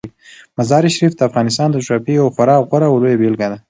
مزارشریف د افغانستان د جغرافیې یوه خورا غوره او لوړه بېلګه ده.